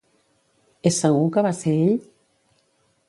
És segur que va ser ell?